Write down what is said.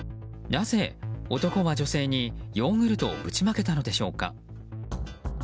なぜ男は女性にヨーグルトをぶちまけたのでしょうか。